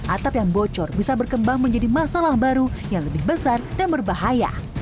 atap yang bocor bisa berkembang menjadi masalah baru yang lebih besar dan berbahaya